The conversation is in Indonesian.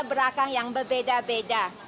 berakah yang berbeda beda